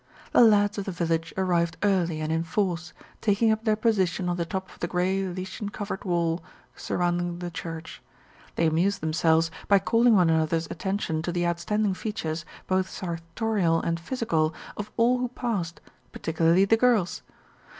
The lads of the village arrived early and in force, taking up their position on the top of the grey, lichen covered wall surrounding the church. They amused themselves by calling one another's attention to the outstanding features, both sartorial and physical, of all who passed, particularly the girls.